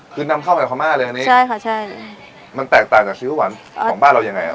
คือนำเข้ามาพม่าเลยอันนี้ใช่ค่ะใช่มันแตกต่างจากคิ้วหวานของบ้านเรายังไงอ่ะ